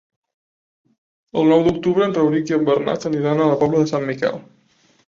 El nou d'octubre en Rauric i en Bernat aniran a la Pobla de Sant Miquel.